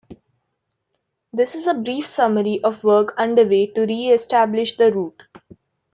This is a brief summary of work underway to reestablish the route.